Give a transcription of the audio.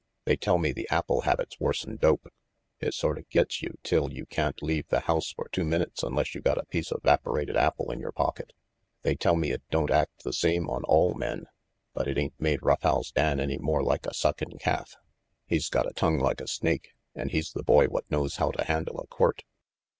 "They tell me the apple habit's worse'n dope. It sorta get's you till you can't leave the house for two minutes unless you got a piece of 'vaporated apple in your pocket. They tell me it don't act the same on all men ; but it ain't made Rough House Dan any 6 RANGY PETE more like a suckin' calf. He's got a tongue like a snake, and he's the boy what knows how to handle a quirt.